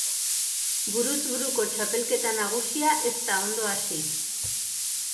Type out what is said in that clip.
Buruz buruko txapelketa nagusia ez da ondo hasi.